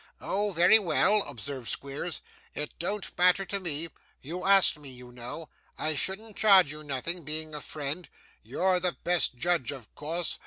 'Oh! very well!' observed Squeers, 'it don't matter to me; you asked me, you know. I shouldn't charge you nothing, being a friend. You're the best judge of course.